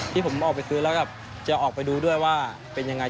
ที่ผมออกไปซื้อแล้วก็จะออกไปดูด้วยว่าเป็นยังไง